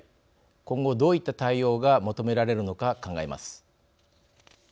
今後どういった対応が求められるのか考えます。